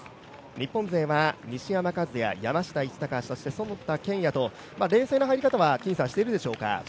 日本勢は西山和弥、山下一貴そして其田健也と、冷静な入り方はしているでしょうか？